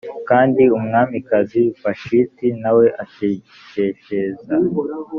kandi umwamikazi vashiti na we atekeshereza